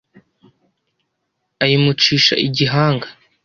ayimucisha igihanga